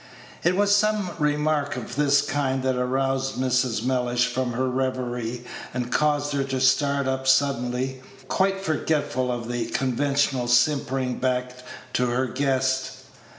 It was some remark of this kind that aroused Mrs. Mellish from her reverie, and caused her to start up suddenly, quite forgetful of the conventional simpering beck to her guest.